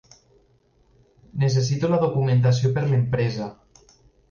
Necessito la documentació per l'empresa.